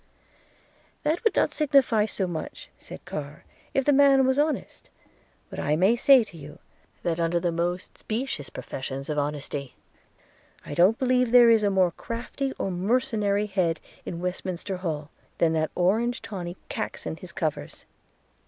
'That would not signify so much,' said Carr, 'if the man was honest; but I may say to you, that, under the most specious professions of honesty, I don't believe there is a more crafty or mercenary head in Westminster Hall, than that orange tawny caxon his covers.